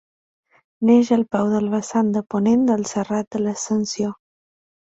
Neix al peu del vessant de ponent del Serrat de l'Ascensió.